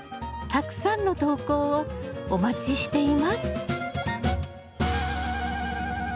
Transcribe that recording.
たくさんの投稿をお待ちしています。